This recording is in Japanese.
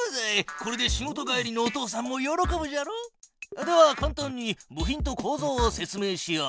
これで仕事帰りのお父さんも喜ぶじゃろう？ではかん単に部品とこうぞうを説明しよう。